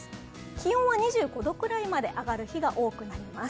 気温は２５度くらいまで上がる日が多くなりそうです。